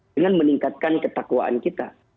dengan meningkatkan ketakwaan kita